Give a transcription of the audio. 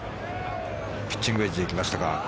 ピッチングウェッジで行きましたか。